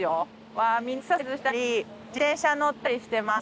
わぁみんなエクササイズしたり自転車に乗ったりしてます。